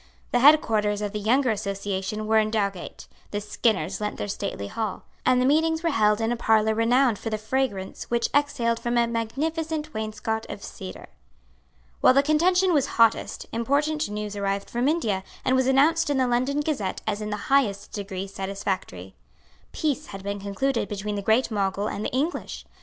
The headquarters of the younger association were in Dowgate; the Skinners lent their stately hall; and the meetings were held in a parlour renowned for the fragrance which exhaled from a magnificent wainscot of cedar. While the contention was hottest, important news arrived from India, and was announced in the London Gazette as in the highest degree satisfactory. Peace had been concluded between the great Mogul and the English.